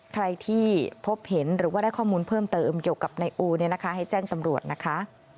ใครที่พบเห็นหรือว่าได้ข้อมูลเพิ่มเติมเกี่ยวกับนายอูเนี่ยนะคะให้แจ้งตำรวจนะคะ